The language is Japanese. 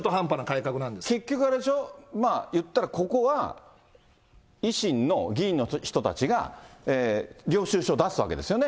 結局、あれでしょ、まあ、言ったらここは、維新の議員の人たちが、領収書出すわけですよね。